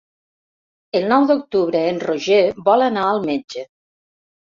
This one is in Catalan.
El nou d'octubre en Roger vol anar al metge.